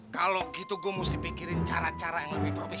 kalau gitu gue mesti pikirin cara cara yang lebih profesi